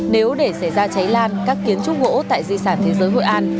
nếu để xảy ra cháy lan các kiến trúc gỗ tại di sản thế giới hội an